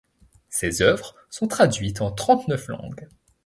Ses œuvres sont traduites en trente-neuf langues.